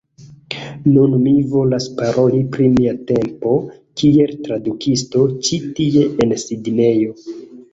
Nun, mi volas paroli pri mia tempo kiel tradukisto ĉi tie en Sidnejo.